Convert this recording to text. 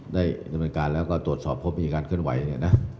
ได้กรรมการแล้วก็ตรวจสอบเพราะมีการเคลื่อนไหวเนี่ยน่ะ